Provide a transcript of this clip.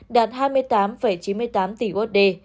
đạt hai mươi tám chín mươi tám tỷ usd